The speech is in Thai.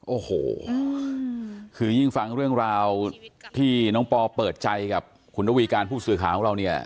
โอ้โหคือยิ่งฟังเรื่องราวที่น้องปอเปิดใจกับคุณระวีการผู้สื่อข่าวของเราเนี่ย